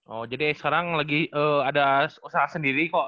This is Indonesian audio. oh jadi sekarang lagi ada usaha sendiri kok